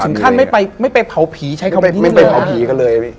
ถึงขั้นไม่ไปเผาผีใช้คำว่าที่นี่เลย